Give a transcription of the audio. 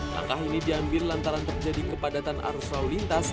langkah ini diambil lantaran terjadi kepadatan arus lalu lintas